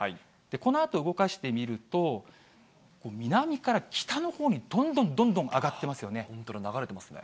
このあと動かしてみると、南から北のほうにどんどんどんどん上が本当だ、流れてますね。